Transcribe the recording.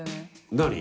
何？